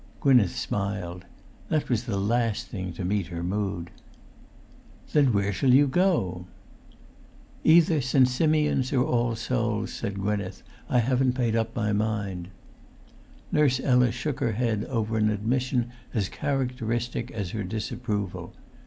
Gwynneth smiled. That was the last thing to meet her mood. "Then where shall you go?" [Pg 361]"Either St. Simeon's or All Souls'," said Gwynneth. "I haven't made up my mind." Nurse Ella shook her head over an admission as characteristic as her disapproval.